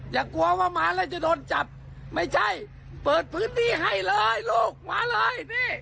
อย่ากลัวว่าหมาแล้วจะโดนจับไม่ใช่เปิดพื้นที่ให้เลยลูกมาเลยนี่